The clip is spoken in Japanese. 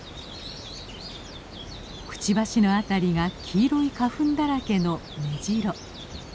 くちばしの辺りが黄色い花粉だらけのメジロ。